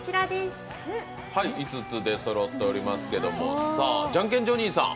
５つ出そろっておりますけどジャン・ケン・ジョニーさん